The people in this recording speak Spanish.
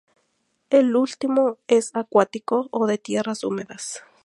El último es acuático o de tierras húmedas.